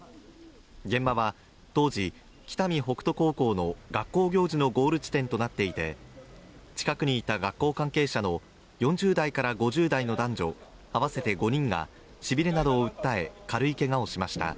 現場は当時、北見北斗高校の学校行事のゴール地点となっていて近くにいた学校関係者の４０代から５０代の男女合わせて５人がしびれなどを訴え、軽いけがをしました。